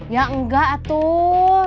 ya enggak atul